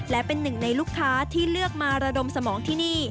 และเป็นหนึ่งในลูกค้าที่เลือกมาระดมสมองที่นี่